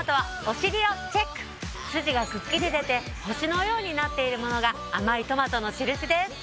スジがくっきり出て星のようになっているものが甘いトマトのしるしです。